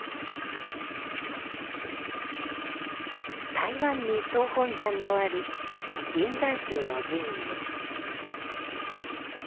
台湾に総本山のある臨済宗の寺院です。